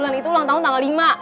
itu ulang tahun tanggal lima